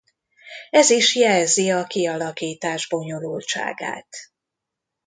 Ez is jelzi a kialakítás bonyolultságát.